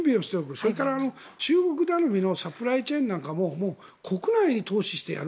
それから中国頼みのサプライチェーンも国内に投資してやる。